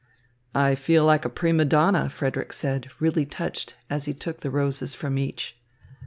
"I feel like a prima donna," Frederick said, really touched, as he took the roses from each.